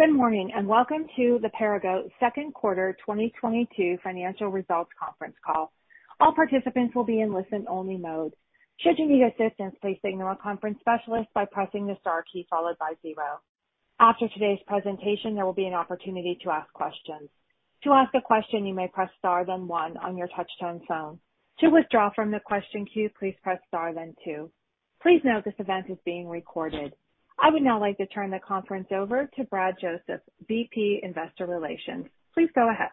Good morning, and welcome to the Perrigo Second Quarter 2022 Financial Results Conference Call. All participants will be in listen-only mode. Should you need assistance, please signal a conference specialist by pressing the star key followed by zero. After today's presentation, there will be an opportunity to ask questions. To ask a question, you may press star then one on your touch-tone phone. To withdraw from the question queue, please press star then two. Please note this event is being recorded. I would now like to turn the conference over to Brad Joseph, VP, Investor Relations. Please go ahead.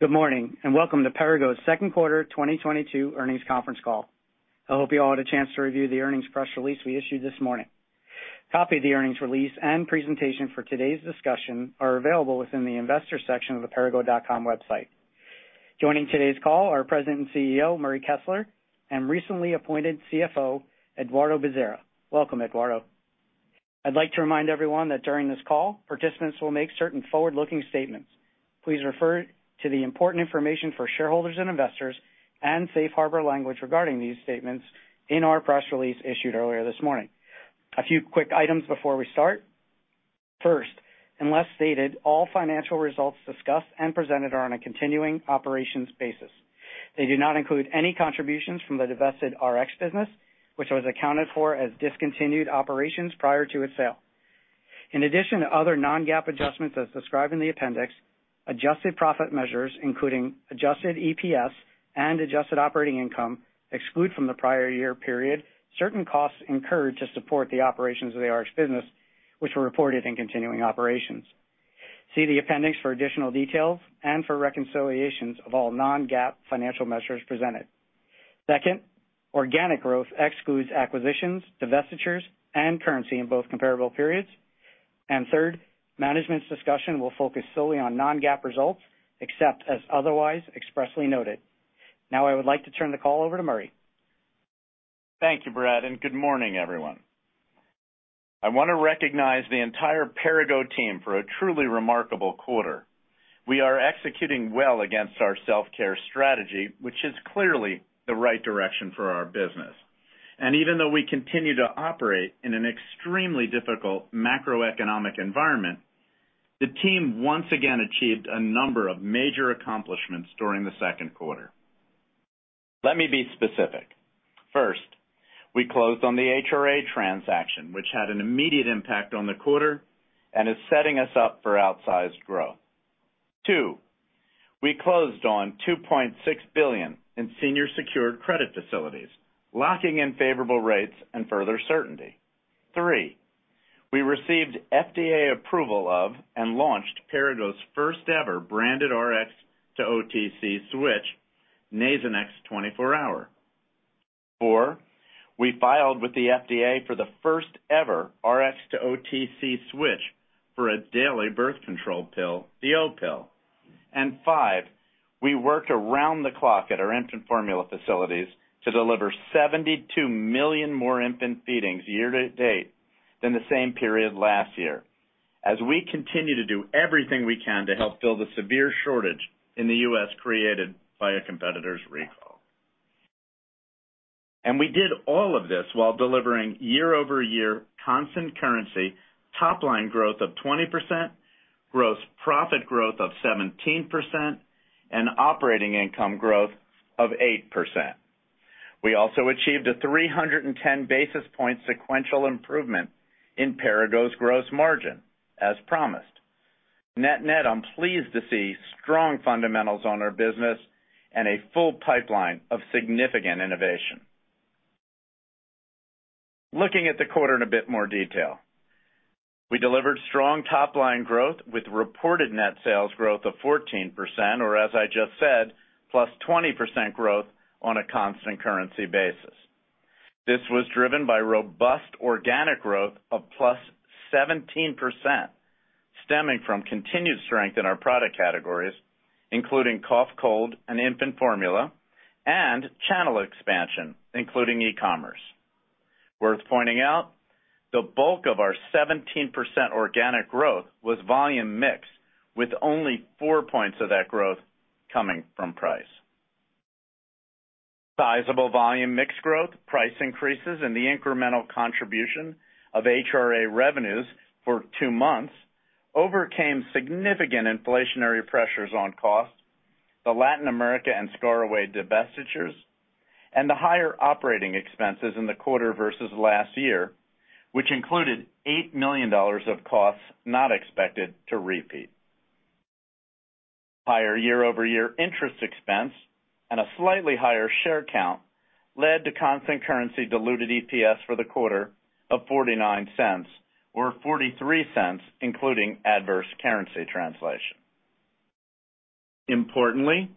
Good morning, and welcome to Perrigo's Second Quarter 2022 Earnings Conference Call. I hope you all had a chance to review the earnings press release we issued this morning. A copy of the earnings release and presentation for today's discussion is available within the investor section of the perrigo.com website. Joining today's call are President and CEO, Murray Kessler, and recently appointed CFO, Eduardo Bezerra. Welcome, Eduardo. I'd like to remind everyone that during this call, participants will make certain forward-looking statements. Please refer to the important information for shareholders and investors and safe harbor language regarding these statements in our press release issued earlier this morning. A few quick items before we start. First, unless stated, all financial results discussed and presented are on a continuing operations basis. They do not include any contributions from the divested Rx business, which was accounted for as discontinued operations prior to its sale. In addition to other non-GAAP adjustments as described in the appendix, adjusted profit measures, including adjusted EPS and adjusted operating income, exclude from the prior year period certain costs incurred to support the operations of the Rx business, which were reported in continuing operations. See the appendix for additional details and for reconciliations of all non-GAAP financial measures presented. Second, organic growth excludes acquisitions, divestitures, and currency in both comparable periods. Third, management's discussion will focus solely on non-GAAP results, except as otherwise expressly noted. Now I would like to turn the call over to Murray. Thank you, Brad, and good morning, everyone. I wanna recognize the entire Perrigo team for a truly remarkable quarter. We are executing well against our self-care strategy, which is clearly the right direction for our business. Even though we continue to operate in an extremely difficult macroeconomic environment, the team once again achieved a number of major accomplishments during the second quarter. Let me be specific. First, we closed on the HRA transaction, which had an immediate impact on the quarter and is setting us up for out-sized growth. Two, we closed on $2.6 billion in senior secured credit facilities, locking in favorable rates and further certainty. Three, we received FDA approval of and launched Perrigo's first-ever branded Rx-to-OTC switch, Nasonex 24HR. Four, we filed with the FDA for the first ever Rx-to-OTC switch for a daily birth control pill, the Opill. Five, we worked around the clock at our infant formula facilities to deliver 72 million more infant feedings year to date than the same period last year, as we continue to do everything we can to help fill the severe shortage in the U.S. created by a competitor's recall. We did all of this while delivering year-over-year constant currency top line growth of 20%, gross profit growth of 17% and operating income growth of 8%. We also achieved a 310 basis point sequential improvement in Perrigo's gross margin, as promised. Net-net, I'm pleased to see strong fundamentals on our business and a full pipeline of significant innovation. Looking at the quarter in a bit more detail: We delivered strong top line growth with reported net sales growth of 14%, or as I just said, +20% growth on a constant currency basis. This was driven by robust organic growth of +17%, stemming from continued strength in our product categories, including cough, cold, and infant formula, and channel expansion, including e-commerce. Worth pointing out, the bulk of our 17% organic growth was volume mix with only four points of that growth coming from price. Sizable volume mix growth, price increases, and the incremental contribution of HRA revenues for two months overcame significant inflationary pressures on cost, the Latin America and ScarAway divestitures, and the higher operating expenses in the quarter versus last year, which included $8 million of costs not expected to repeat. Higher year-over-year interest expense and a slightly higher share count led to constant currency diluted EPS for the quarter of $0.49 or $0.43, including adverse currency translation. Importantly,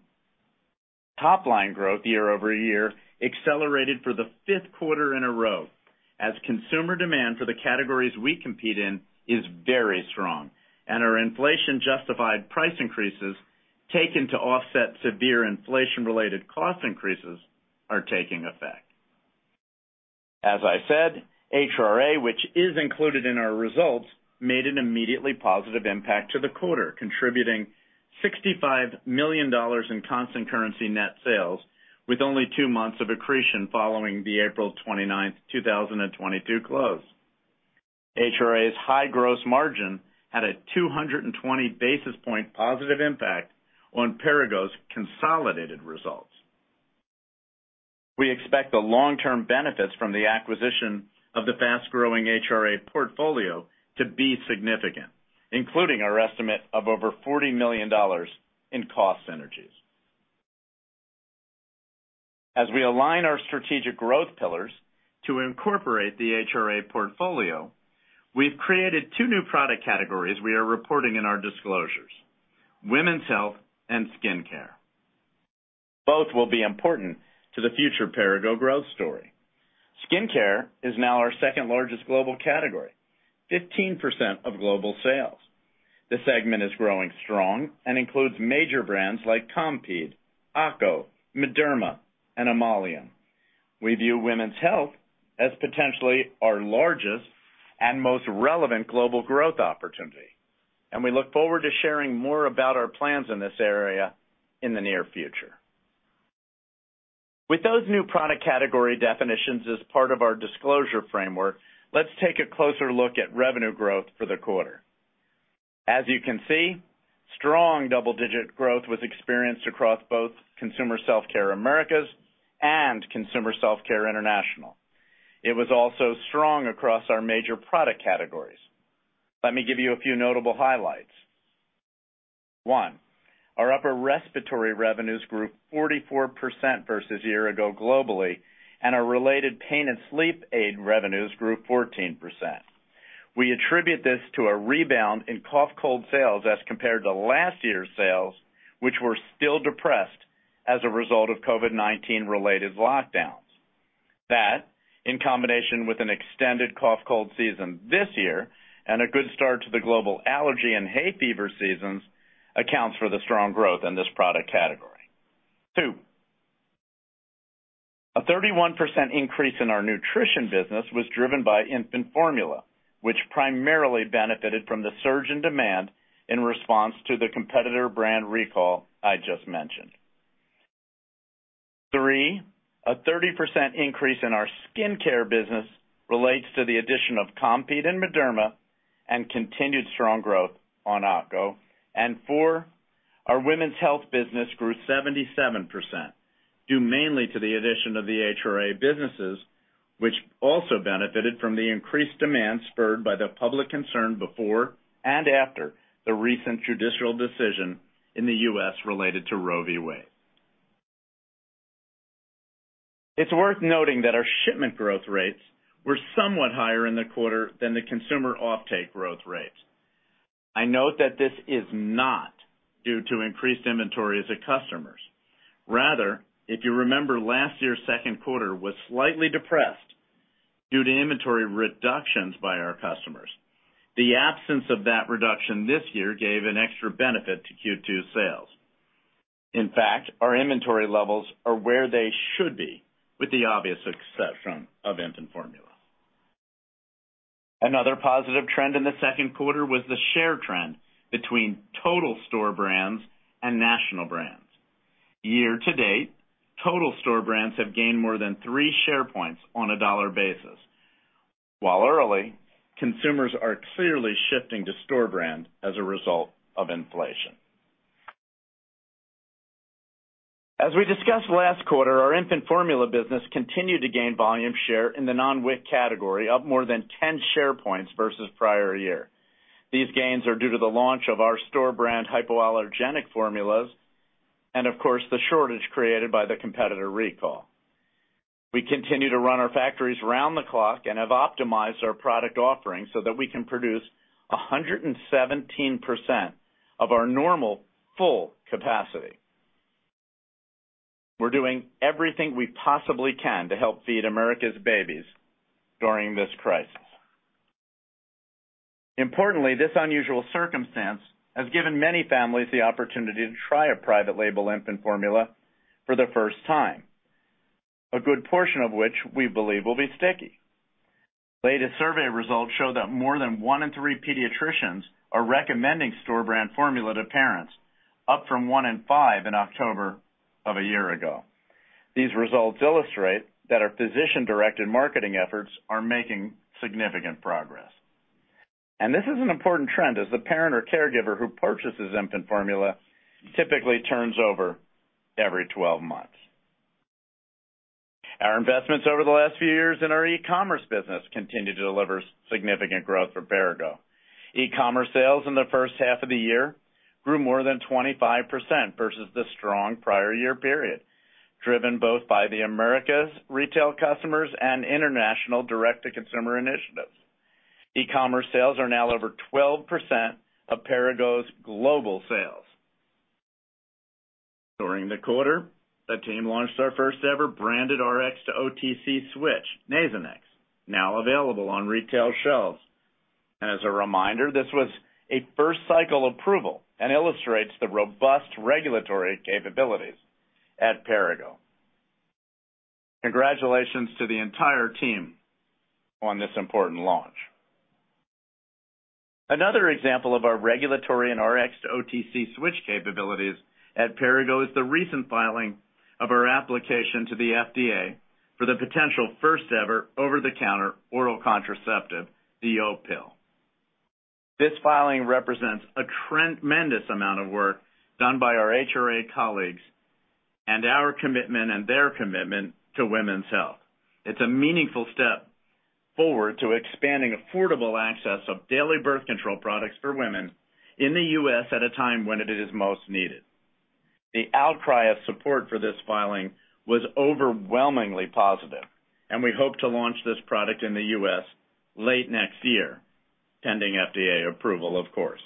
top-line growth year-over-year accelerated for the fifth quarter in a row as consumer demand for the categories we compete in is very strong and our inflation-justified price increases taken to offset severe inflation-related cost increases are taking effect. As I said, HRA, which is included in our results, made an immediately positive impact to the quarter, contributing $65 million in constant currency net sales with only two months of accretion following the 29 April 2022 close. HRA's high gross margin had a 220 basis point positive impact on Perrigo's consolidated results. We expect the long-term benefits from the acquisition of the fast-growing HRA portfolio to be significant, including our estimate of over $40 million in cost synergies. As we align our strategic growth pillars to incorporate the HRA portfolio, we've created two new product categories we are reporting in our disclosures, women's health and skincare. Both will be important to the future Perrigo growth story. Skincare is now our second-largest global category, 15% of global sales. This segment is growing strong and includes major brands like Compeed, ACO, Mederma, and Emolium. We view women's health as potentially our largest and most relevant global growth opportunity, and we look forward to sharing more about our plans in this area in the near future. With those new product category definitions as part of our disclosure framework, let's take a closer look at revenue growth for the quarter. As you can see, strong double-digit growth was experienced across both Consumer Self-Care Americas and Consumer Self-Care International. It was also strong across our major product categories. Let me give you a few notable highlights. One, our upper respiratory revenues grew 44% versus year ago globally, and our related pain and sleep aid revenues grew 14%. We attribute this to a rebound in cough-cold sales as compared to last year's sales, which were still depressed as a result of COVID-19 related lockdowns. That, in combination with an extended cough-cold season this year and a good start to the global allergy and hay fever seasons, accounts for the strong growth in this product category. Two, a 31% increase in our nutrition business was driven by infant formula, which primarily benefited from the surge in demand in response to the competitor brand recall I just mentioned. Three, a 30% increase in our skincare business relates to the addition of Compeed and Mederma and continued strong growth on ACO. Four, our women's health business grew 77%, due mainly to the addition of the HRA businesses, which also benefited from the increased demand spurred by the public concern before and after the recent judicial decision in the U.S. related to Roe v. Wade. It's worth noting that our shipment growth rates were somewhat higher in the quarter than the consumer offtake growth rates. I note that this is not due to increased inventory at our customers. Rather, if you remember, last year's second quarter was slightly depressed due to inventory reductions by our customers. The absence of that reduction this year gave an extra benefit to Q2 sales. In fact, our inventory levels are where they should be with the obvious exception of infant formula. Another positive trend in the second quarter was the share trend between total store brands and national brands. Year-to-date, total store brands have gained more than three share points on a dollar basis. While early, consumers are clearly shifting to store brand as a result of inflation. As we discussed last quarter, our infant formula business continued to gain volume share in the non-WIC category, up more than 10 share points versus prior year. These gains are due to the launch of our store brand hypoallergenic formulas and of course, the shortage created by the competitor recall. We continue to run our factories round the clock and have optimized our product offerings so that we can produce 117% of our normal full capacity. We're doing everything we possibly can to help feed America's babies during this crisis. Importantly, this unusual circumstance has given many families the opportunity to try a private label infant formula for the first time, a good portion of which we believe will be sticky. Latest survey results show that more than one in three pediatricians are recommending store brand formula to parents, up from one in five in October of a year ago. These results illustrate that our physician-directed marketing efforts are making significant progress. This is an important trend as the parent or caregiver who purchases infant formula typically turns over every 12 months. Our investments over the last few years in our e-commerce business continue to deliver significant growth for Perrigo. E-commerce sales in the first half of the year grew more than 25% versus the strong prior year period, driven both by the Americas retail customers and international direct-to-consumer initiatives. E-commerce sales are now over 12% of Perrigo's global sales. During the quarter, the team launched our first ever branded Rx-to-OTC switch, Nasonex, now available on retail shelves. As a reminder, this was a first cycle approval and illustrates the robust regulatory capabilities at Perrigo. Congratulations to the entire team on this important launch. Another example of our regulatory and Rx-to-OTC switch capabilities at Perrigo is the recent filing of our application to the FDA for the potential first-ever over-the-counter oral contraceptive, the Opill. This filing represents a tremendous amount of work done by our HRA colleagues and our commitment and their commitment to women's health. It's a meaningful step forward to expanding affordable access of daily birth control products for women in the U.S. at a time when it is most needed. The outcry of support for this filing was overwhelmingly positive, and we hope to launch this product in the U.S. late next year, pending FDA approval, of course.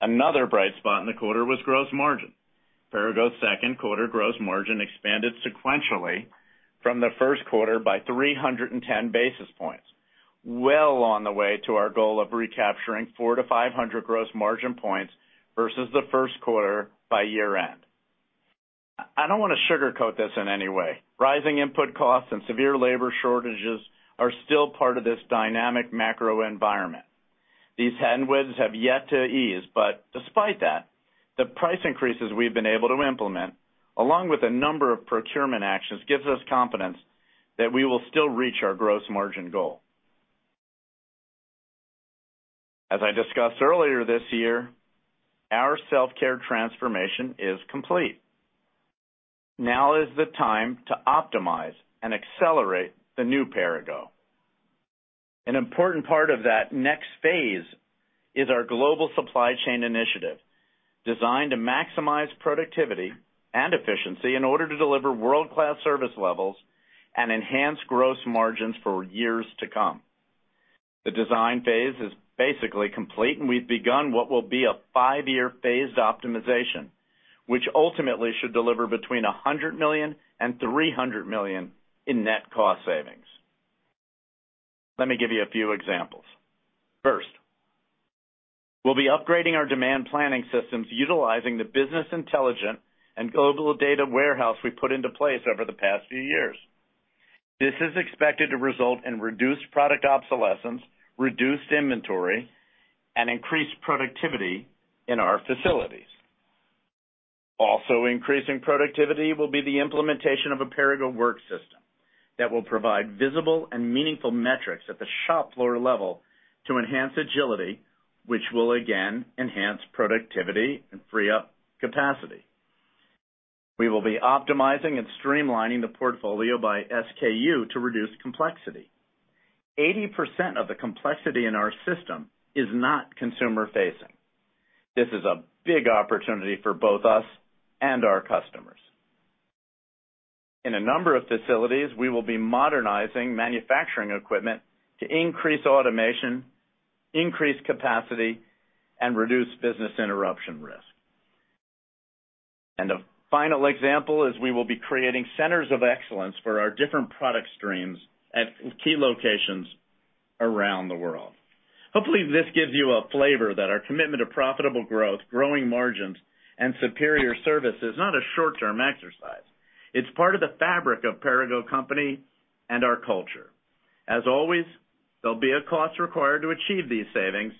Another bright spot in the quarter was gross margin. Perrigo's second quarter gross margin expanded sequentially from the first quarter by 310 basis points, well on the way to our goal of recapturing 400-500 gross margin points versus the first quarter by year-end. I don't wanna sugarcoat this in any way. Rising input costs and severe labor shortages are still part of this dynamic macro environment. These headwinds have yet to ease, but despite that, the price increases we've been able to implement, along with a number of procurement actions, gives us confidence that we will still reach our gross margin goal. As I discussed earlier this year, our self-care transformation is complete. Now is the time to optimize and accelerate the new Perrigo. An important part of that next phase is our global supply chain initiative, designed to maximize productivity and efficiency in order to deliver world-class service levels and enhance gross margins for years to come. The design phase is basically complete, and we've begun what will be a five-year phased optimization, which ultimately should deliver between $100 million and $300 million in net cost savings. Let me give you a few examples. First, we'll be upgrading our demand planning systems utilizing the business intelligence and global data warehouse we put into place over the past few years. This is expected to result in reduced product obsolescence, reduced inventory, and increased productivity in our facilities. Also, increasing productivity will be the implementation of a Perrigo work system that will provide visible and meaningful metrics at the shop floor level to enhance agility, which will again enhance productivity and free up capacity. We will be optimizing and streamlining the portfolio by SKU to reduce complexity. 80% of the complexity in our system is not consumer-facing. This is a big opportunity for both us and our customers. In a number of facilities, we will be modernizing manufacturing equipment to increase automation, increase capacity, and reduce business interruption risk. The final example is we will be creating centers of excellence for our different product streams at key locations around the world. Hopefully, this gives you a flavor that our commitment to profitable growth, growing margins, and superior service is not a short-term exercise. It's part of the fabric of Perrigo Company and our culture. As always, there'll be a cost required to achieve these savings,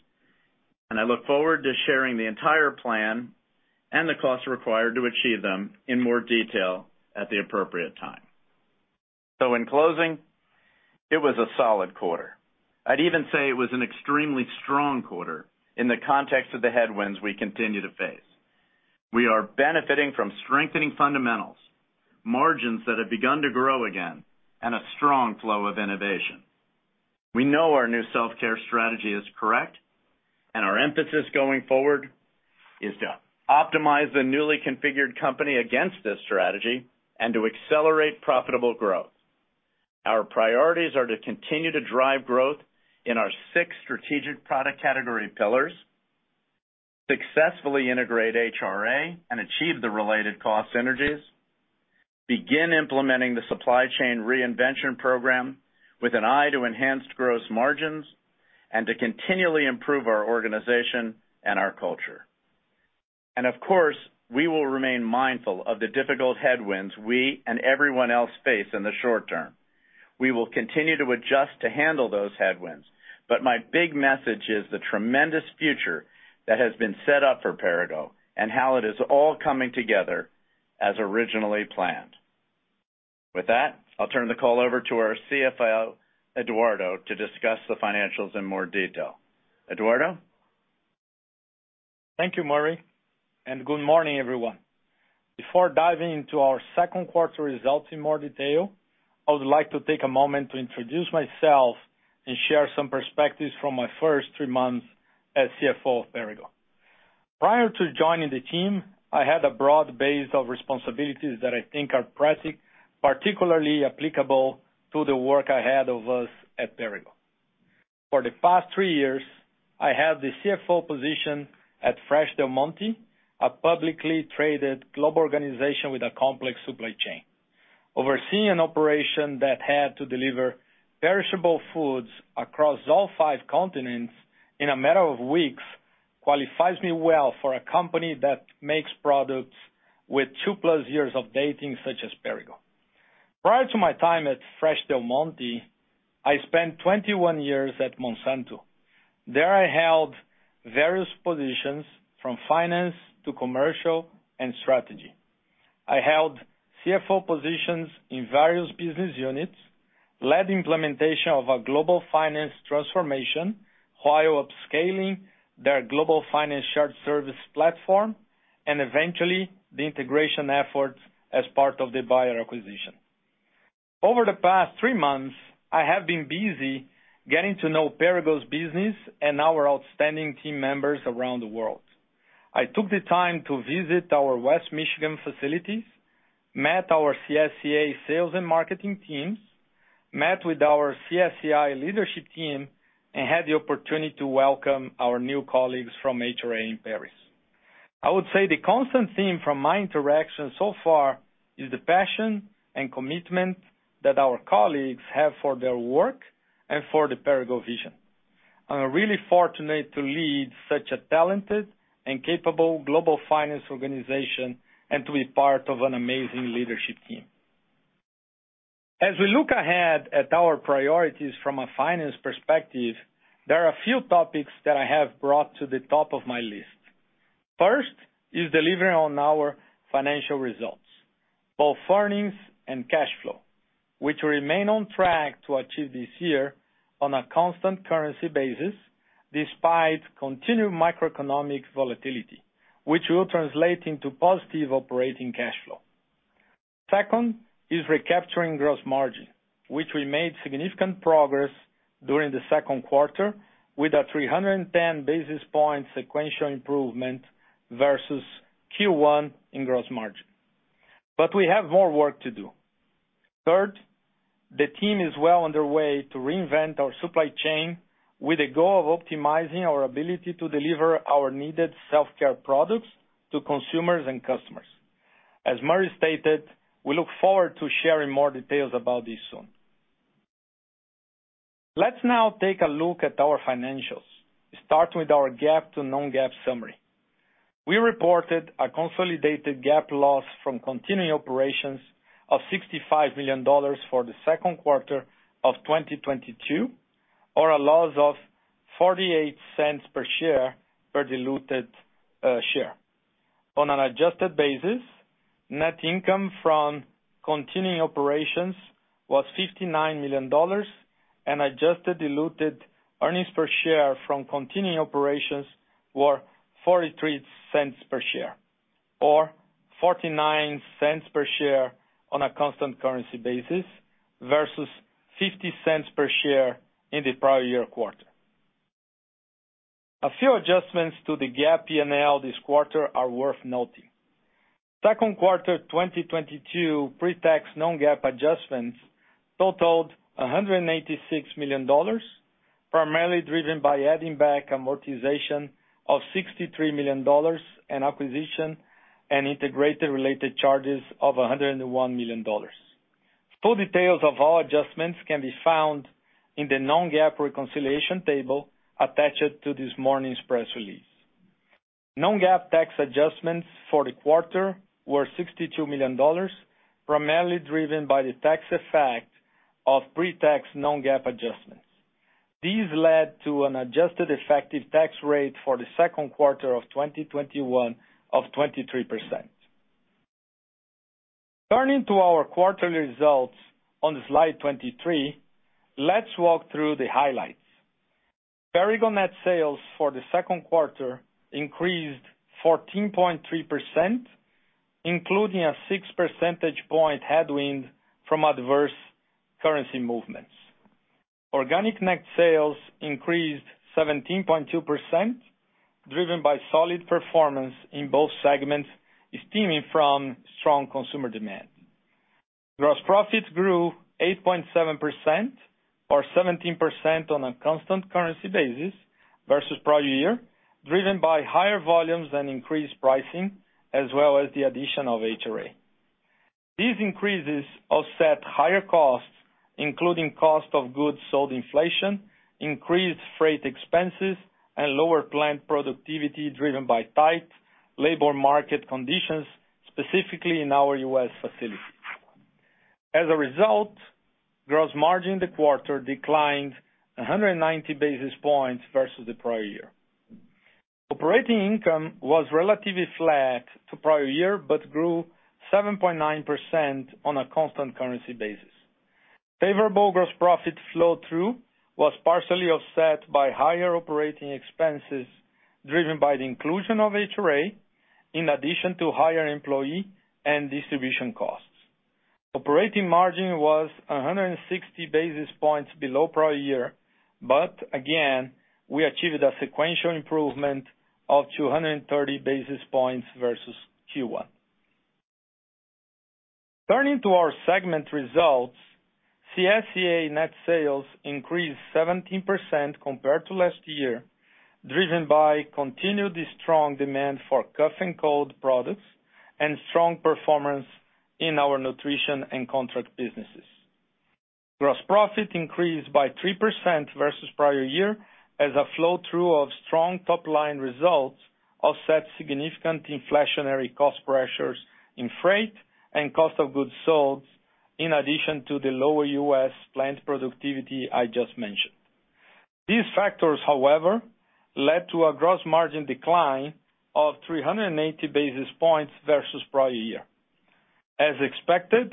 and I look forward to sharing the entire plan and the cost required to achieve them in more detail at the appropriate time. In closing, it was a solid quarter. I'd even say it was an extremely strong quarter in the context of the headwinds we continue to face. We are benefiting from strengthening fundamentals, margins that have begun to grow again, and a strong flow of innovation. We know our new self-care strategy is correct, and our emphasis going forward is to optimize the newly configured company against this strategy and to accelerate profitable growth. Our priorities are to continue to drive growth in our six strategic product category pillars, successfully integrate HRA and achieve the related cost synergies, begin implementing the supply chain reinvention program with an eye to enhanced gross margins, and to continually improve our organization and our culture. Of course, we will remain mindful of the difficult headwinds we and everyone else face in the short term. We will continue to adjust to handle those headwinds, but my big message is the tremendous future that has been set up for Perrigo and how it is all coming together as originally planned. With that, I'll turn the call over to our CFO, Eduardo, to discuss the financials in more detail. Eduardo? Thank you, Murray, and good morning, everyone. Before diving into our second quarter results in more detail, I would like to take a moment to introduce myself and share some perspectives from my first three months as CFO of Perrigo. Prior to joining the team, I had a broad base of responsibilities that I think are pressing, particularly applicable to the work ahead of us at Perrigo. For the past three years, I had the CFO position at Fresh Del Monte, a publicly traded global organization with a complex supply chain. Overseeing an operation that had to deliver perishable foods across all five continents in a matter of weeks. Qualifies me well for a company that makes products with two+ years of dating such as Perrigo. Prior to my time at Fresh Del Monte, I spent 21 years at Monsanto. There I held various positions from finance to commercial and strategy. I held CFO positions in various business units, led implementation of a global finance transformation while upscaling their global finance shared service platform, and eventually the integration efforts as part of the Bayer acquisition. Over the past three months, I have been busy getting to know Perrigo's business and our outstanding team members around the world. I took the time to visit our West Michigan facilities, met our CSCA sales and marketing teams, met with our CSCI leadership team, and had the opportunity to welcome our new colleagues from HRA in Paris. I would say the constant theme from my interactions so far is the passion and commitment that our colleagues have for their work and for the Perrigo vision. I'm really fortunate to lead such a talented and capable global finance organization and to be part of an amazing leadership team. As we look ahead at our priorities from a finance perspective, there are a few topics that I have brought to the top of my list. First, is delivering on our financial results, both earnings and cash flow, which remain on track to achieve this year on a constant currency basis, despite continued macroeconomic volatility, which will translate into positive operating cash flow. Second is recapturing gross margin, which we made significant progress during the second quarter with a 310 basis points sequential improvement versus Q1 in gross margin. We have more work to do. Third, the team is well underway to reinvent our supply chain with a goal of optimizing our ability to deliver our needed self-care products to consumers and customers. As Murray stated, we look forward to sharing more details about this soon. Let's now take a look at our financials. Start with our GAAP to non-GAAP summary. We reported a consolidated GAAP loss from continuing operations of $65 million for the second quarter of 2022, or a loss of $0.48 per diluted share. On an adjusted basis, net income from continuing operations was $59 million, and adjusted diluted earnings per share from continuing operations were $0.43 per share, or $0.49 per share on a constant currency basis, versus $0.50 per share in the prior year quarter. A few adjustments to the GAAP P&L this quarter are worth noting. Second quarter 2022 pre-tax non-GAAP adjustments totaled $186 million, primarily driven by adding back amortization of $63 million and acquisition- and integration-related charges of $101 million. Full details of our adjustments can be found in the non-GAAP reconciliation table attached to this morning's press release. Non-GAAP tax adjustments for the quarter were $62 million, primarily driven by the tax effect of pre-tax non-GAAP adjustments. These led to an adjusted effective tax rate for the second quarter of 2021 of 23%. Turning to our quarterly results on slide 23, let's walk through the highlights. Perrigo net sales for the second quarter increased 14.3%, including a six percentage point headwind from adverse currency movements. Organic net sales increased 17.2%, driven by solid performance in both segments, stemming from strong consumer demand. Gross profits grew 8.7% or 17% on a constant currency basis versus prior year, driven by higher volumes and increased pricing, as well as the addition of HRA. These increases offset higher costs, including cost of goods sold inflation, increased freight expenses, and lower plant productivity driven by tight labor market conditions, specifically in our U.S. facilities. As a result, gross margin in the quarter declined 190 basis points versus the prior year. Operating income was relatively flat to prior year, but grew 7.9% on a constant currency basis. Favorable gross profit flow through was partially offset by higher operating expenses driven by the inclusion of HRA in addition to higher employee and distribution costs. Operating margin was 160 basis points below prior year, but again, we achieved a sequential improvement of 230 basis points versus Q1. Turning to our segment results, CSCA net sales increased 17% compared to last year, driven by continued strong demand for cough and cold products and strong performance in our nutrition and contract businesses. Gross profit increased by 3% versus prior year as a flow-through of strong top line results offset significant inflationary cost pressures in freight and cost of goods sold, in addition to the lower U.S. plant productivity I just mentioned. These factors, however, led to a gross margin decline of 380 basis points versus prior year. As expected,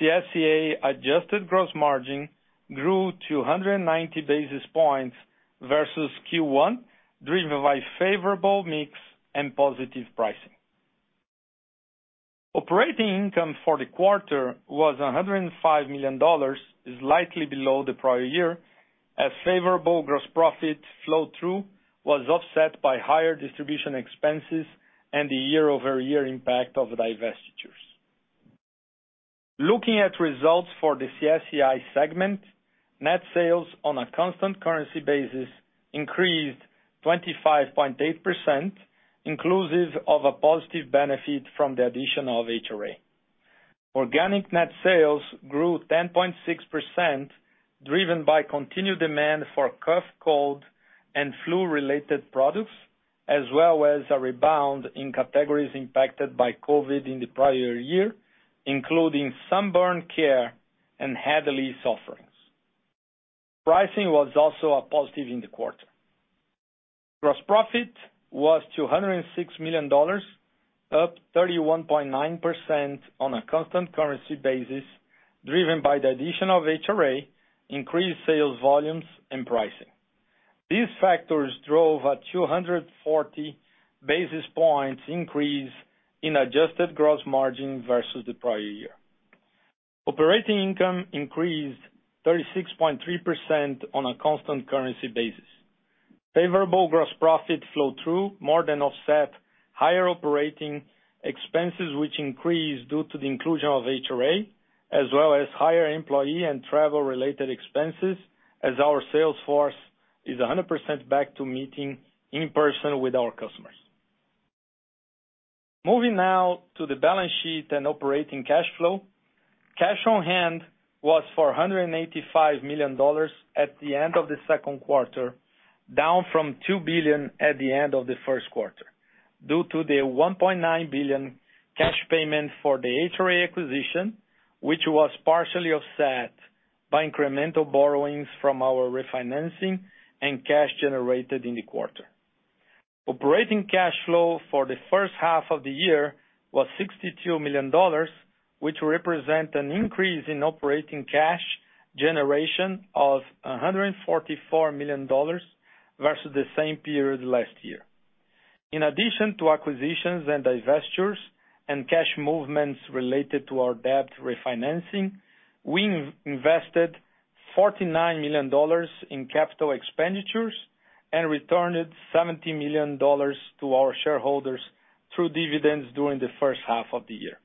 CSCI adjusted gross margin grew 290 basis points versus Q1, driven by favorable mix and positive pricing. Operating income for the quarter was $105 million, slightly below the prior year, as favorable gross profit flow-through was offset by higher distribution expenses and the year-over-year impact of divestitures. Looking at results for the CSCI segment, net sales on a constant currency basis increased 25.8%, inclusive of a positive benefit from the addition of HRA. Organic net sales grew 10.6%, driven by continued demand for cough, cold, and flu-related products, as well as a rebound in categories impacted by COVID in the prior year, including sunburn care and head lice offerings. Pricing was also a positive in the quarter. Gross profit was $206 million, up 31.9% on a constant currency basis, driven by the addition of HRA, increased sales volumes and pricing. These factors drove a 240 basis points increase in adjusted gross margin versus the prior year. Operating income increased 36.3% on a constant currency basis. Favorable gross profit flow-through more than offset higher operating expenses, which increased due to the inclusion of HRA, as well as higher employee and travel related expenses as our sales force is 100% back to meeting in person with our customers. Moving now to the balance sheet and operating cash flow. Cash on hand was $485 million at the end of the second quarter, down from $2 billion at the end of the first quarter, due to the $1.9 billion cash payment for the HRA acquisition, which was partially offset by incremental borrowings from our refinancing, and cash generated in the quarter. Operating cash flow for the first half of the year was $62 million, which represent an increase in operating cash generation of $144 million versus the same period last year. In addition to acquisitions and divestitures and cash movements related to our debt refinancing, we invested $49 million in capital expenditures and returned $70 million to our shareholders through dividends during the first half of the year.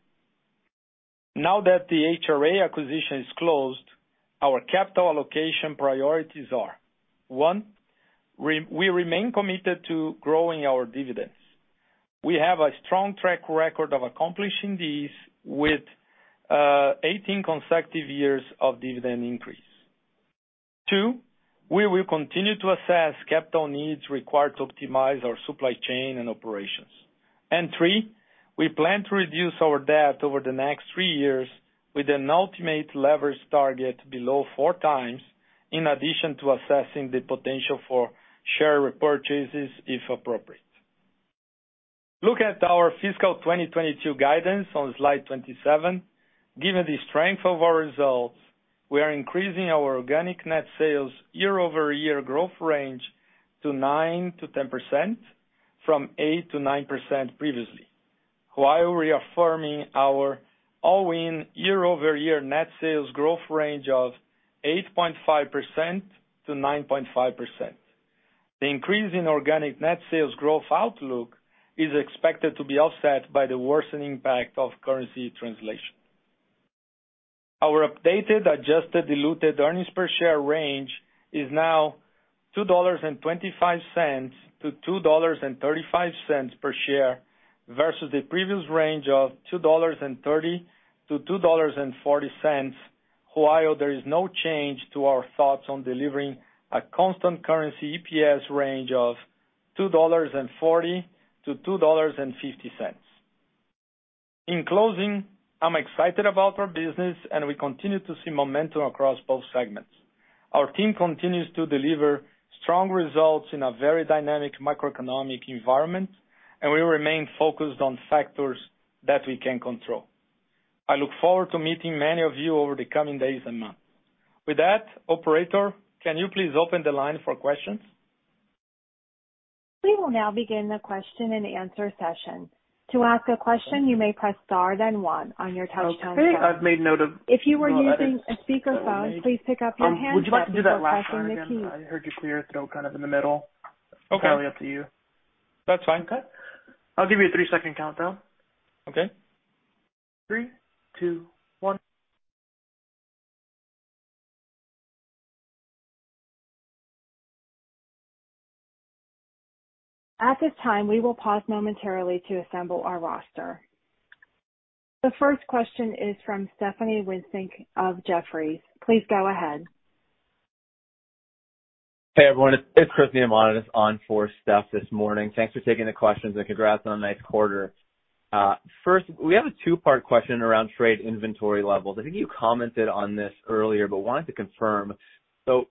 Now that the HRA acquisition is closed, our capital allocation priorities are. One, we remain committed to growing our dividends. We have a strong track record of accomplishing these with 18 consecutive years of dividend increase. Two, we will continue to assess capital needs required to optimize our supply chain and operations. Three, we plan to reduce our debt over the next three years with an ultimate leverage target below 4x, in addition to assessing the potential for share repurchases, if appropriate. Look at our fiscal 2022 guidance on slide 27. Given the strength of our results, we are increasing our organic net sales year-over-year growth range to 9%-10% from 8%-9% previously, while reaffirming our all-in year-over-year net sales growth range of 8.5%-9.5%. The increase in organic net sales growth outlook is expected to be offset by the worsening impact of currency translation. Our updated adjusted diluted earnings per share range is now $2.25-$2.35 per share versus the previous range of $2.30-$2.40, while there is no change to our thoughts on delivering a constant currency EPS range of $2.40-$2.50. In closing, I'm excited about our business, and we continue to see momentum across both segments. Our team continues to deliver strong results in a very dynamic macroeconomic environment, and we remain focused on factors that we can control. I look forward to meeting many of you over the coming days and months. With that, operator, can you please open the line for questions? We will now begin the question-and-answer session. To ask a question, you may press star then one on your touch-tone phone. Okay. I've made note of. If you are using a speakerphone, please pick up your handset before pressing the key. Would you like to do that last one again? I heard you clearly, though, kind of in the middle. Okay. Totally up to you. That's fine. Okay. I'll give you a three-second countdown. Okay. Three, two, one. At this time, we will pause momentarily to assemble our roster. The first question is from Stephanie Wissink of Jefferies. Please go ahead. Hey, everyone, it's Chris Neamonitis on for Steph this morning. Thanks for taking the questions and congrats on a nice quarter. First, we have a two-part question around trade inventory levels. I think you commented on this earlier, but wanted to confirm. Could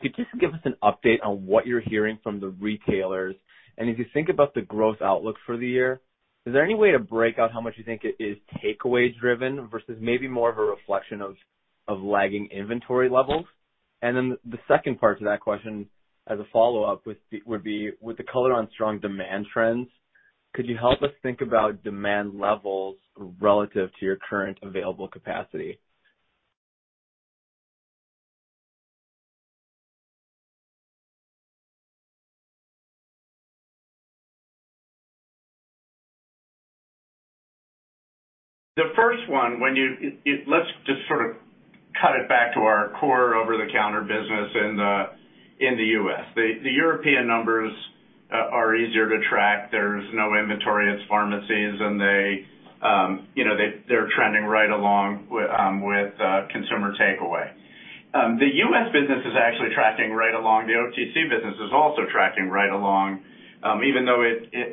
you just give us an update on what you're hearing from the retailers? As you think about the growth outlook for the year, is there any way to break out how much you think it is takeaway driven versus maybe more of a reflection of lagging inventory levels? Then the second part to that question as a follow-up would be with the color on strong demand trends, could you help us think about demand levels relative to your current available capacity? The first one, let's just sort of cut it back to our core over-the-counter business in the U.S. The European numbers are easier to track. There's no inventory. It's pharmacies, and they're trending right along with consumer takeaway. The U.S. business is actually tracking right along. The OTC business is also tracking right along, even though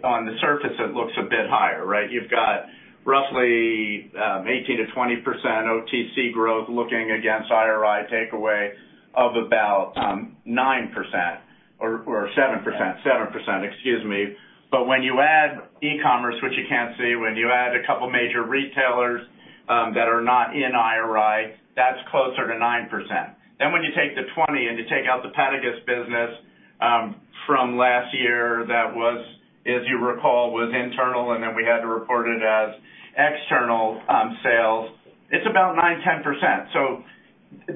on the surface, it looks a bit higher, right? You've got roughly 18%-20% OTC growth looking against IRI takeaway of about 9% or 7%. Seven percent, excuse me. When you add e-commerce, which you can't see, when you add a couple major retailers that are not in IRI, that's closer to 9%. When you take the 20 and you take out the Pediatrics business from last year, that was, as you recall, internal, and then we had to report it as external sales. It's about 9%-10%.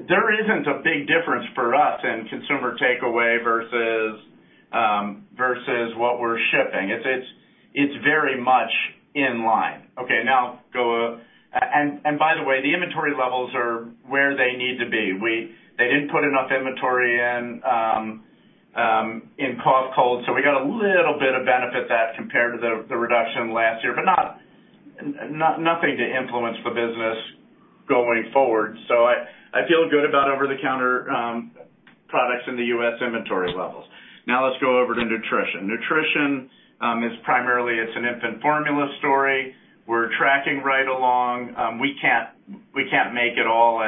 There isn't a big difference for us in consumer takeaway versus what we're shipping. It's very much in line. Okay, now go. By the way, the inventory levels are where they need to be. They didn't put enough inventory in Costco, so we got a little bit of benefit that compared to the reduction last year, but nothing to influence the business going forward. I feel good about over-the-counter products in the U.S. inventory levels. Now let's go over to nutrition. Nutrition is primarily an infant formula story. We're tracking right along. We can't make it all.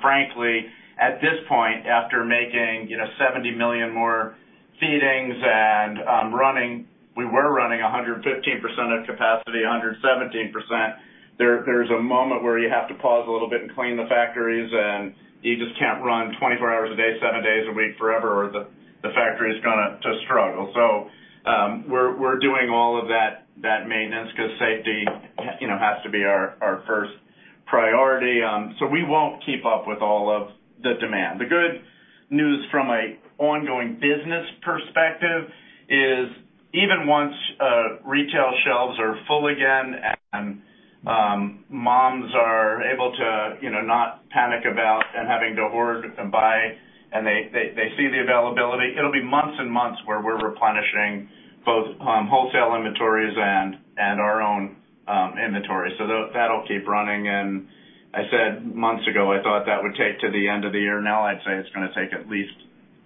Frankly, at this point, after making you know 70 million more feedings and we were running at 115% of capacity, 117%. There's a moment where you have to pause a little bit and clean the factories, and you just can't run 24 hours a day, seven days a week forever, or the factory is gonna struggle. We're doing all of that maintenance 'cause safety you know has to be our first priority. We won't keep up with all of the demand. The good news from an ongoing business perspective is even once retail shelves are full again and moms are able to, you know, not panic about and having to hoard and buy and they see the availability, it'll be months and months where we're replenishing both wholesale inventories and our own inventory. That'll keep running. I said months ago, I thought that would take to the end of the year. Now I'd say it's gonna take at least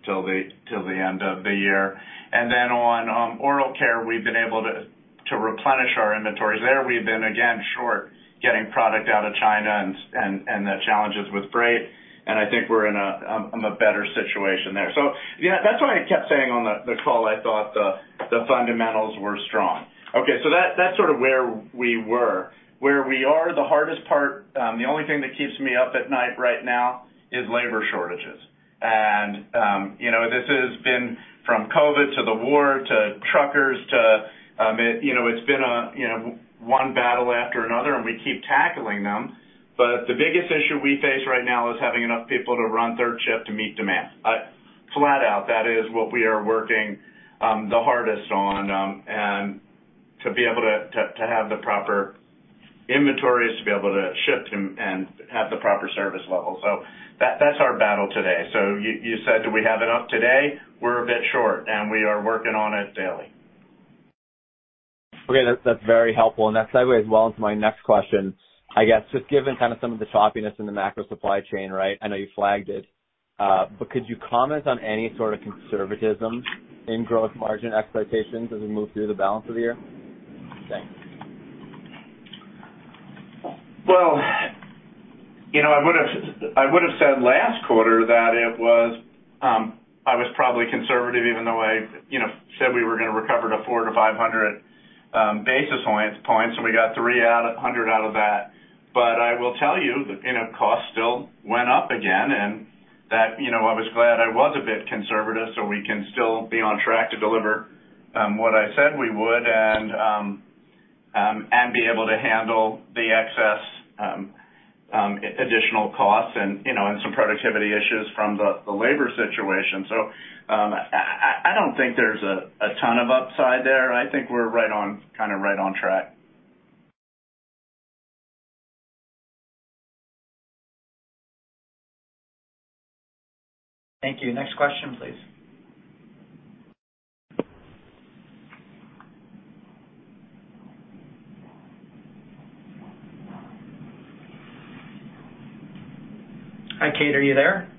till the end of the year. Then on oral care, we've been able to replenish our inventories. There we've been again short getting product out of China and the challenges with freight, and I think we're in a better situation there. Yeah, that's why I kept saying on the call I thought the fundamentals were strong. Okay, that's sort of where we were. Where we are, the hardest part, the only thing that keeps me up at night right now is labor shortages. You know, this has been from COVID to the war to truckers to, you know, it's been a, you know, one battle after another, and we keep tackling them. The biggest issue we face right now is having enough people to run third shift to meet demand. Flat out, that is what we are working the hardest on, and to be able to have the proper inventories, to be able to ship to and have the proper service level. That's our battle today. You said, do we have enough today? We're a bit short, and we are working on it daily. Okay, that's very helpful, and that segues well into my next question. I guess, just given kind of some of the choppiness in the macro supply chain, right? I know you flagged it. But could you comment on any sort of conservatism in growth margin expectations as we move through the balance of the year? Thanks. Well, you know, I would've said last quarter that it was, I was probably conservative even though I, you know, said we were gonna recover to 400-500 basis points, and we got 300 out of that. I will tell you that, you know, costs still went up again and that, you know, I was glad I was a bit conservative, so we can still be on track to deliver what I said we would and be able to handle the excess additional costs and, you know, and some productivity issues from the labor situation. I don't think there's a ton of upside there. I think we're right on, kinda right on track. Thank you. Next question, please. Hi, Kate. Are you there?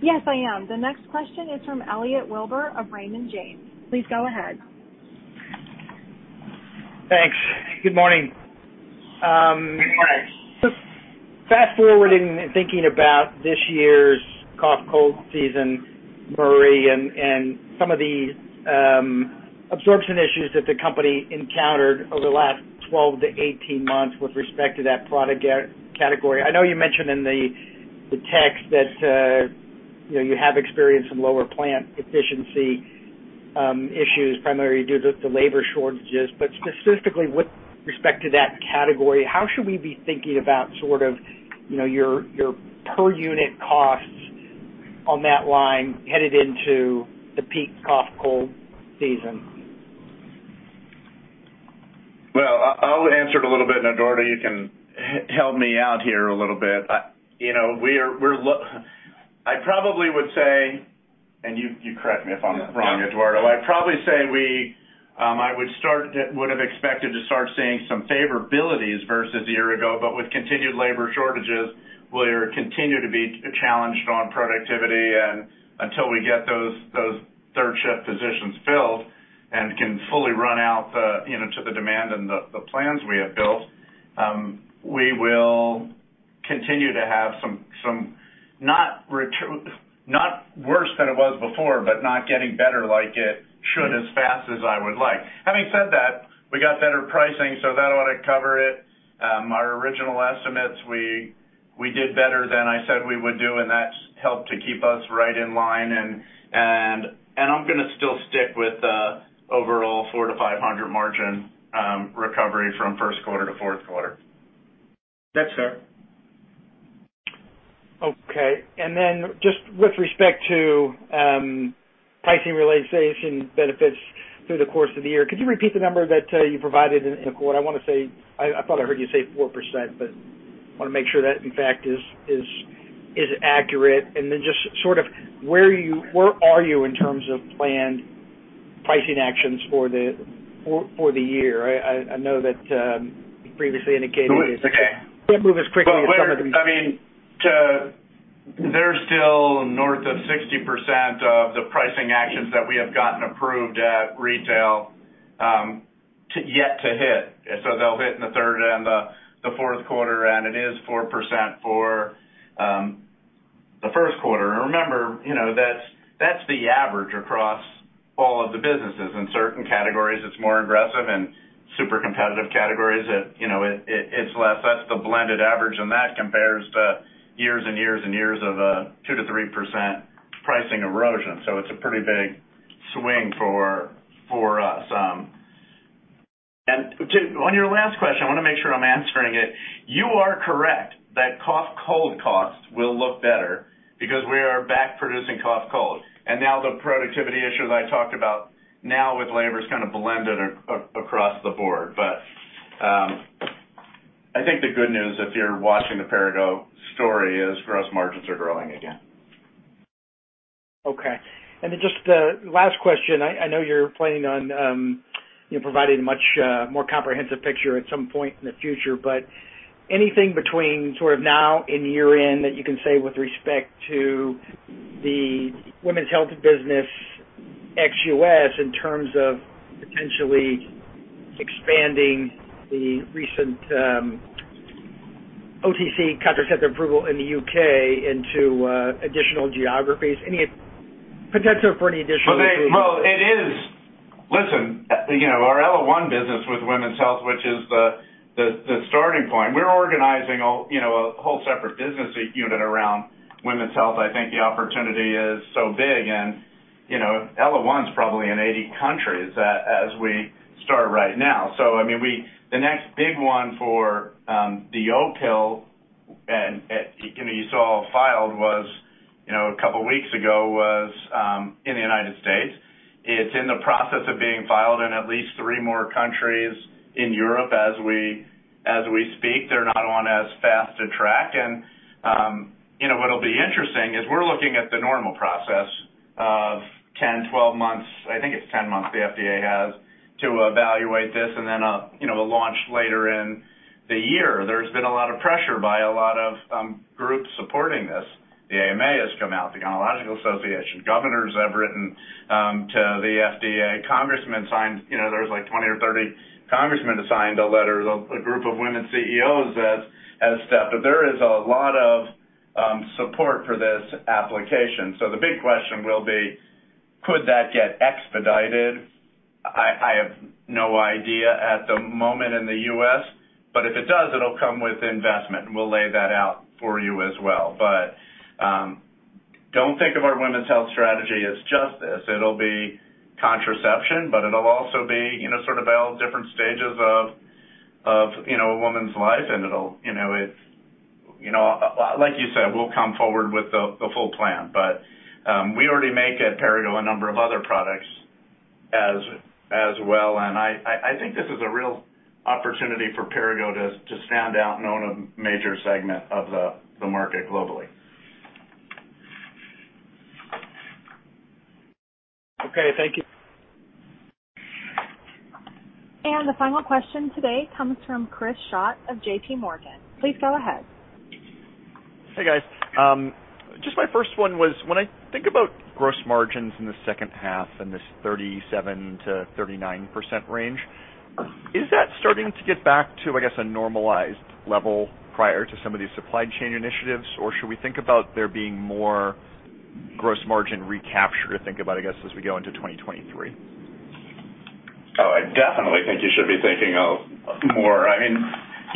Yes, I am. The next question is from Elliot Wilbur of Raymond James. Please go ahead. Thanks. Good morning. Good morning. Just fast-forwarding and thinking about this year's cough cold season, Murray, and some of the absorption issues that the company encountered over the last 12-18 months with respect to that product category. I know you mentioned in the text that you know you have experienced some lower plant efficiency issues primarily due to the labor shortages. Specifically with respect to that category, how should we be thinking about sort of you know your per unit costs on that line headed into the peak cough cold season? Well, I'll answer it a little bit, and Eduardo, you can help me out here a little bit. You know, I probably would say, and you correct me if I'm wrong, Eduardo. I'd probably say we. I would have expected to start seeing some favorabilities versus a year ago, but with continued labor shortages, we continue to be challenged on productivity. Until we get those third shift positions filled and can fully run out the, you know, to the demand and the plans we have built, we will continue to have some not worse than it was before, but not getting better like it should as fast as I would like. Having said that, we got better pricing, so that ought to cover it. Our original estimates, we did better than I said we would do, and that's helped to keep us right in line. I'm gonna still stick with the overall 400-500 margin recovery from first quarter to fourth quarter. Thanks, sir. Okay. Just with respect to pricing realization benefits through the course of the year, could you repeat the number that you provided in the quarter? I wanna say I thought I heard you say 4%, but wanna make sure that in fact is accurate. Just sort of where you are in terms of planned pricing actions for the year? I know that you previously indicated- Okay. Can't move as quickly as some of them. They're still north of 60% of the pricing actions that we have gotten approved at retail yet to hit. They'll hit in the third and the fourth quarter, and it is 4% for the first quarter. Remember, that's the average across all of the businesses. In certain categories it's more aggressive, in super competitive categories it's less. That's the blended average, and that compares to years and years and years of a 2%-3% pricing erosion. It's a pretty big swing for us. On your last question, I wanna make sure I'm answering it. You are correct that cough cold costs will look better because we are back producing cough cold. Now the productivity issue that I talked about now with labor is kind of blended across the board. I think the good news, if you're watching the Perrigo story, is gross margins are growing again. Okay. Just the last question, I know you're planning on, you know, providing a much more comprehensive picture at some point in the future. Anything between sort of now and year-end that you can say with respect to the women's health business ex-U.S. in terms of potentially expanding the recent OTC contraceptive approval in the U.K. into additional geographies? Any potential for any additional- Listen, you know, our Opill business with women's health, which is the starting point, we're organizing a whole separate business unit around women's health. I think the opportunity is so big and, you know, Opill's probably in 80 countries as we start right now. I mean, the next big one for the Opill, and you know, it was filed a couple weeks ago in the United States. It's in the process of being filed in at least three more countries in Europe as we speak. They're not on as fast a track. What'll be interesting is we're looking at the normal process of 10, 12 months. I think it's 10 months the FDA has to evaluate this and then a launch later in the year. There's been a lot of pressure by a lot of groups supporting this. The AMA has come out, American College of Obstetricians and Gynecologists, Governors have written to the FDA, Congressmen signed. You know, there's like 20 or 30 Congressmen that signed a letter. A group of women CEOs has stepped up. There is a lot of support for this application. The big question will be, could that get expedited? I have no idea at the moment in the U.S., but if it does, it'll come with investment, and we'll lay that out for you as well. Don't think of our women's health strategy as just this. It'll be contraception, but it'll also be, you know, sort of all different stages of you know, a woman's life, and it'll, you know. You know, like you said, we'll come forward with the full plan. We already make at Perrigo a number of other products, as well, and I think this is a real opportunity for Perrigo to stand out in a major segment of the market globally. Okay. Thank you. The final question today comes from Chris Schott of JPMorgan. Please go ahead. Hey, guys. Just my first one was, when I think about gross margins in the second half and this 37%-39% range, is that starting to get back to, I guess, a normalized level prior to some of these supply chain initiatives, or should we think about there being more gross margin recapture to think about, I guess, as we go into 2023? Oh, I definitely think you should be thinking of more. I mean,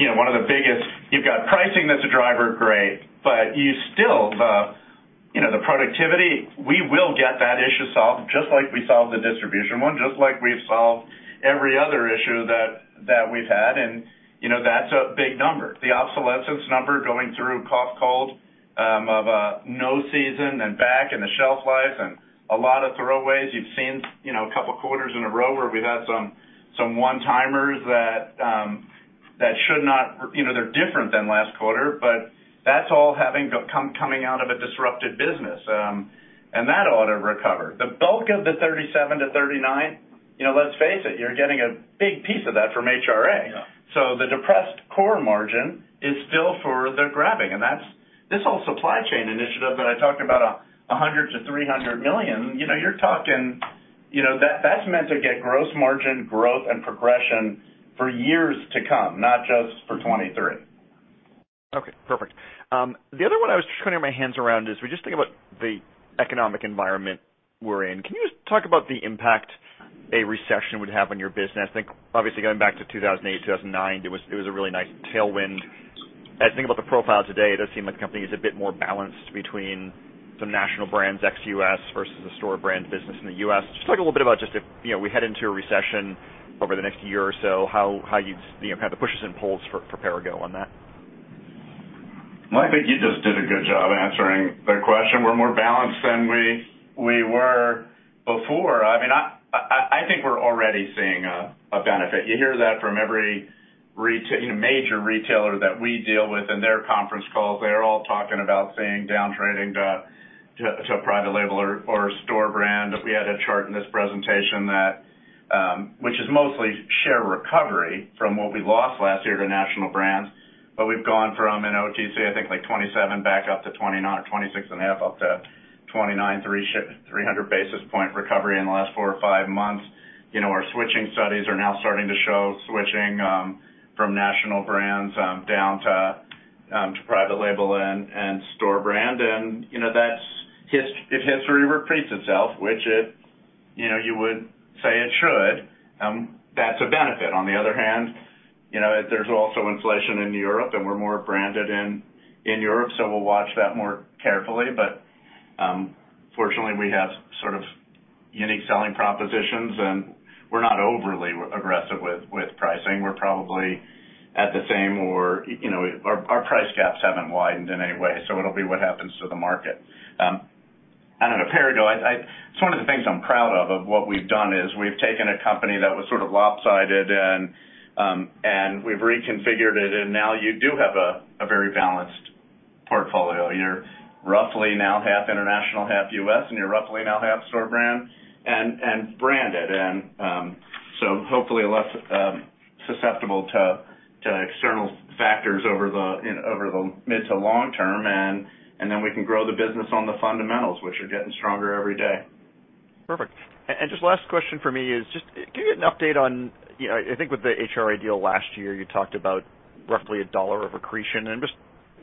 you know, one of the biggest. You've got pricing that's a driver, great, but you still, you know, the productivity, we will get that issue solved just like we solved the distribution one, just like we've solved every other issue that we've had. You know, that's a big number. The obsolescence number going through cough-cold of a no season and back in the shelf life and a lot of throwaways. You've seen, you know, a couple quarters in a row where we've had some one-timers that should not, you know, they're different than last quarter, but that's all having to come coming out of a disrupted business. That ought to recover. The bulk of the 37-39, you know, let's face it, you're getting a big piece of that from HRA. Yeah. The depressed core margin is still for the grabbing, and that's this whole supply chain initiative that I talked about $100 million-$300 million. You know, you're talking, you know, that's meant to get gross margin growth and progression for years to come, not just for 2023. Okay. Perfect. The other one I was just trying to get my hands around is we just think about the economic environment we're in. Can you just talk about the impact a recession would have on your business? I think obviously going back to 2008, 2009, it was a really nice tailwind. As I think about the profile today, it does seem like the company is a bit more balanced between some national brands ex-U.S. versus the store brand business in the U.S. Just talk a little bit about just if, you know, we head into a recession over the next year or so, how you'd, you know, kind of the pushes and pulls for Perrigo on that. Well, I think you just did a good job answering the question. We're more balanced than we were before. I mean, I think we're already seeing a benefit. You hear that from every you know, major retailer that we deal with in their conference calls. They're all talking about seeing downtrading to a private label or a store brand. We had a chart in this presentation that which is mostly share recovery from what we lost last year to national brands. We've gone from an OTC, I think like 27% back up to 29% or 26.5% up to 29%, 300 basis point recovery in the last four or five months. You know, our switching studies are now starting to show switching from national brands down to private label and store brand. You know, that's if history repeats itself, which it you know you would say it should, that's a benefit. On the other hand, you know, there's also inflation in Europe, and we're more branded in Europe, so we'll watch that more carefully. Fortunately, we have sort of unique selling propositions, and we're not overly aggressive with pricing. We're probably at the same or, you know, our price gaps haven't widened in any way, so it'll be what happens to the market. I don't know, Perrigo. It's one of the things I'm proud of what we've done is we've taken a company that was sort of lopsided and we've reconfigured it and now you do have a very balanced portfolio. You're roughly now half international, half U.S., and you're roughly now half store brand and branded. So hopefully less susceptible to external factors over the mid to long term and then we can grow the business on the fundamentals, which are getting stronger every day. Perfect. Just last question for me is just can you give me an update on, you know, I think with the HRA deal last year, you talked about roughly $1 of accretion, and I'm just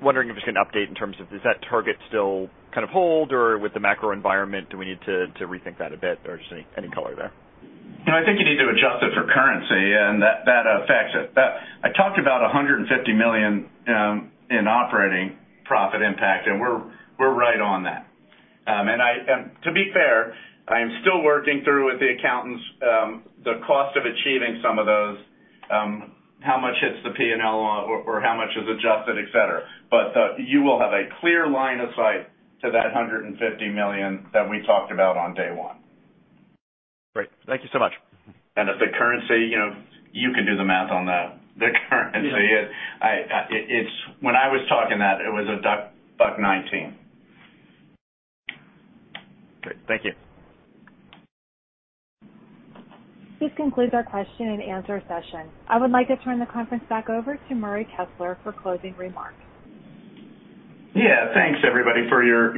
wondering if you can update in terms of does that target still kind of hold or with the macro environment, do we need to rethink that a bit or just any color there? You know, I think you need to adjust it for currency and that affects it. I talked about $150 million in operating profit impact, and we're right on that. To be fair, I am still working through with the accountants the cost of achieving some of those, how much hits the P&L or how much is adjusted, et cetera. You will have a clear line of sight to that $150 million that we talked about on day one. Great. Thank you so much. If the currency, you know, you can do the math on the currency. When I was talking that, it was $1.19. Great. Thank you. This concludes our question and answer session. I would like to turn the conference back over to Murray Kessler for closing remarks. Yeah. Thanks everybody for your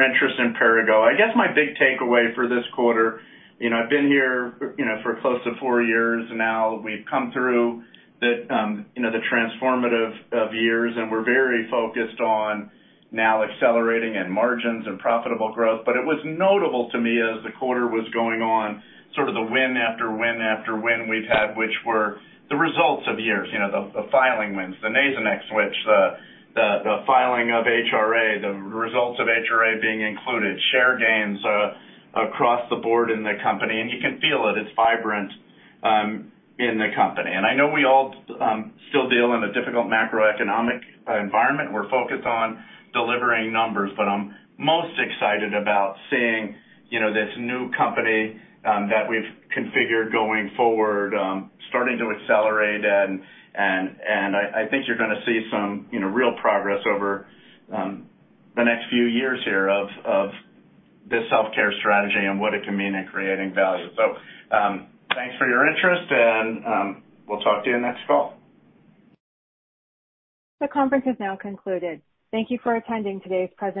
interest in Perrigo. I guess my big takeaway for this quarter, you know, I've been here, you know, for close to four years now. We've come through the, you know, the transformative years, and we're very focused on now accelerating and margins and profitable growth. But it was notable to me as the quarter was going on, sort of the win after win after win we've had, which were the results of years, you know, the filing wins, the Nasonex switch, the filing of HRA, the results of HRA being included, share gains across the board in the company, and you can feel it. It's vibrant in the company. I know we all still deal in a difficult macroeconomic environment. We're focused on delivering numbers, but I'm most excited about seeing, you know, this new company that we've configured going forward, starting to accelerate and I think you're gonna see some, you know, real progress over the next few years here of this self-care strategy and what it can mean in creating value. Thanks for your interest and we'll talk to you next call. The conference is now concluded. Thank you for attending today's presentation.